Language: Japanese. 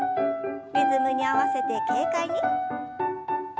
リズムに合わせて軽快に。